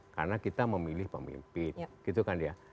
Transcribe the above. karena kita memilih pemimpin gitu kan ya